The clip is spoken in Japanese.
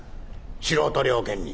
「素人了簡に」。